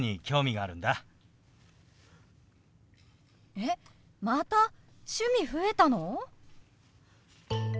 えっまた趣味増えたの！？